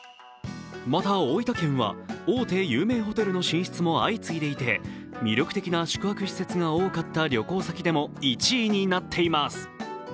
また大分県は大手有名ホテルの進出も相次いでいて魅力的な宿泊施設が多かった旅行先でも１位になっています。